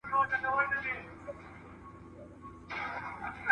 تدریس انسان ته لاره ښيي خو پوهنه منزل دی.